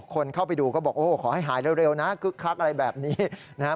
คนเข้าไปดูก็บอกโอ้ขอให้หายเร็วนะคึกคักอะไรแบบนี้นะฮะ